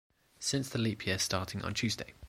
Since the leap year starting on Tuesday.